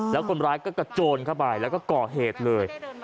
แล้วคนร้ายก็กระโจนเข้าไปแล้วก็ก่อเหตุเลย